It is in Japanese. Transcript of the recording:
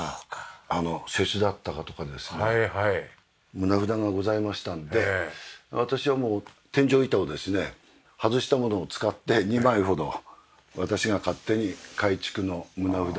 棟札がございましたので私はもう天井板をですね外したものを使って２枚ほど私が勝手に改築の棟札を作ったと。